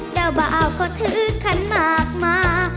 เจ้าบ่าวก็ถือขันหมากมา